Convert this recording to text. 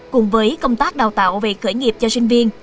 cùng với công tác đào tạo về khởi nghiệp cho sinh viên